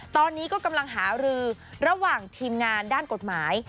ตอนนี้ก็กำลังหารือระหว่างทีมงานด้านกฎหมาย